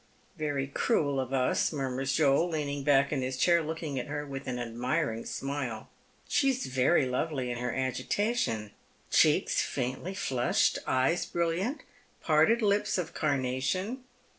" Very cruel of us," murmurs Joel, leaning back in his chair looking at her with an admiring smile. She is very lovely in her At Bay. 265 agitation; cheeks faintly flushed, eyes brilliant, parted lips of carnation.